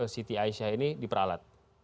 city asia ini diperalat